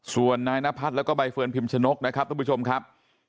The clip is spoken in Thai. ส่วนนายนพัฒน์แล้วก็ใบเฟิร์นพิมชนกนะครับทุกผู้ชมครับ